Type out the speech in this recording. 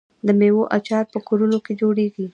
د میوو اچار په کورونو کې جوړیږي.